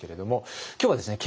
今日はですね